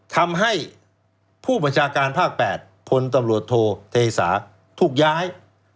ทำให้ผู้บัญชาการภาค๘พลตำรวจโทเทสาถูกย้าย